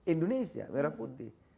indonesia merah putih